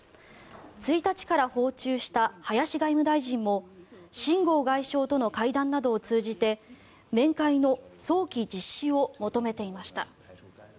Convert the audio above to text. １日から訪中した林外務大臣も秦剛外相との会談などを通じて面会の早期実施を求めていました。